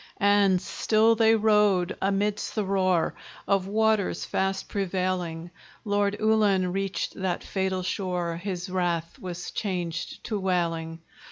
And still they rowed amidst the roar Of waters fast prevailing: Lord Ullin reached that fatal shore; His wrath was changed to wailing.